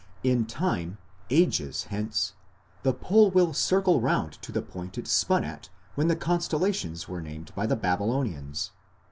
In time ages hence the pole will circle round to the point it spun at when the constellations were named by the Babylonians.